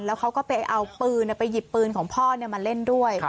แล้วเขาก็ไปเอาปืนไปหยิบปืนของพ่อมาเล่นด้วย